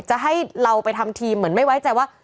จะให้เราไปทำทีมเหมือนไม่ไว้ใจว่า